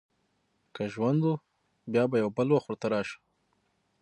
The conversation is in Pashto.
که ژوند و، بیا به یو بل وخت ورته راشو.